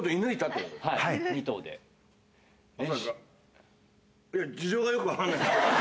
いや、事情がよく分かんないんですけど。